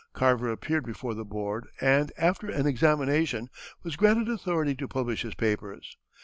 Carver appeared before the Board and, after an examination, was granted authority to publish his papers.